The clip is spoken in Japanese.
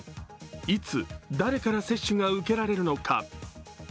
いつ誰から接種が受けられるのか。